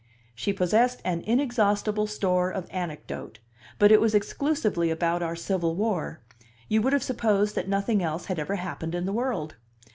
She possessed an inexhaustible store of anecdote, but it was exclusively about our Civil War; you would have supposed that nothing else had ever happened in the world.